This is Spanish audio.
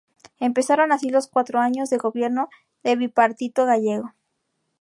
Empezaron así los cuatro años de gobierno del bipartito gallego.